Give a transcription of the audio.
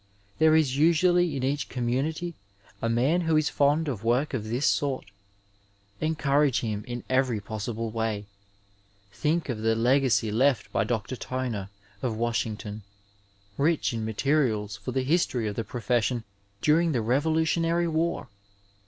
There is usually in each community a man who is fond of work of this sort. Encourage him in every possible way. Think of the legacy left by Dr. Toner, of Washington, rich in materials for the history of the profession during the Revolutionary War